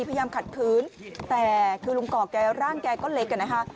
พยายามขัดขืนแต่คือลุงกอกแกร่างแกก็เล็กอะนะคะ